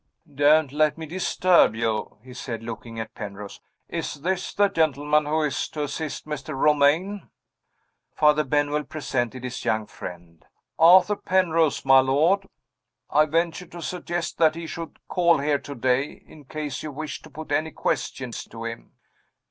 "Don't let me disturb you," he said, looking at Penrose. "Is this the gentleman who is to assist Mr. Romayne?" Father Benwell presented his young friend. "Arthur Penrose, my lord. I ventured to suggest that he should call here to day, in case you wished to put any questions to him."